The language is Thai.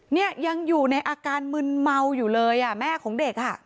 เนี่ยยังอยู่ในอาการมึนเมาอยู่เลยอ่ะแม่ของเด็กอ่ะ